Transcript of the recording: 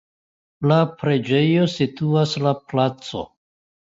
La preĝejo situas la placo.